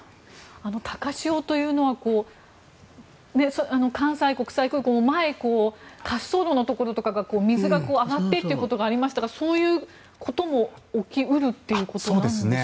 高潮というのは関西国際空港も前、滑走路のところとかが水が上がっていったということがありましたがそういうことも起き得るということなんでしょうか？